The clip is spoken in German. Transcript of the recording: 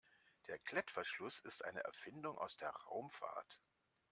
Der Klettverschluss ist eine Erfindung aus der Raumfahrt.